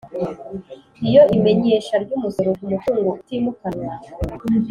Iyo imenyesha ry umusoro ku mutungo utimukanwa